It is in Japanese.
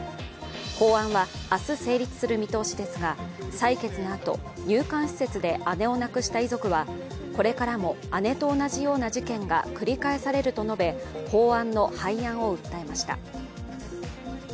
法案は明日成立する見通しですが採決のあと、入管施設で姉を亡くした遺族はこれからも姉と同じような事件が繰り返されると述べ、法案の廃案を訴えました。